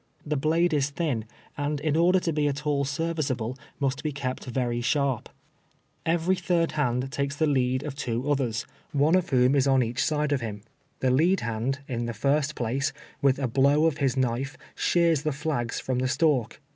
The blade is thin, and in order to be at all serviceable must be kept very sharp. Every third hand takes the lead of U 210 T^VELVE YEAKS A SLAVE. two othei'S, one of Avliom is on cacli side of him. Tho lead hand, in the first place, with a blow of his knife shears the flags from the stalk.